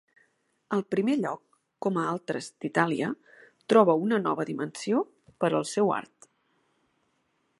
Al primer lloc, com a altres d’Itàlia, troba una nova dimensió per al seu art.